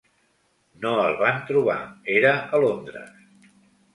No el van trobar, era a Londres.